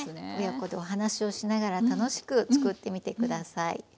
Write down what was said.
親子でお話をしながら楽しく作ってみて下さい。